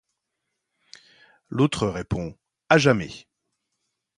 L’autre répond: À jamais.